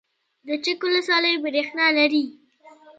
د چک ولسوالۍ بریښنا لري